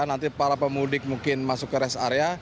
nanti para pemudik mungkin masuk ke rest area